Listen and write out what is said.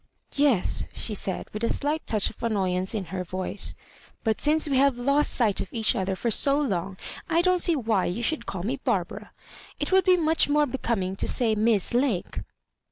"Yes," she said, with a slight touch of an noyance in her voice ; "but since we have lost sight of each other for so long, I don't see why you should call me Barbara. It would be much more becoming to say Miss Lake."